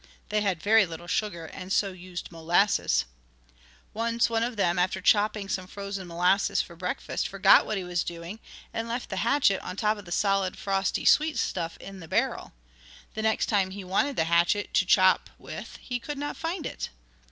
They had very little sugar and so used molasses. "Once one of the men, after chopping some frozen molasses for breakfast, forgot what he was doing, and left the hatchet on top of the solid, frosty sweet stuff in the barrel. The next time he wanted the hatchet to chop with he could not find it.